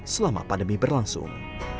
selama pandemi berlangsung